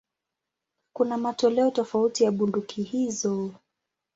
Kuna matoleo tofauti ya bunduki hizo.